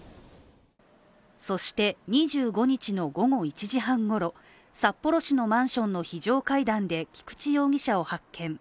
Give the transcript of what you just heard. そして、２５日の午後１時半ごろ札幌市のマンションの非常階段で菊池容疑者を発見。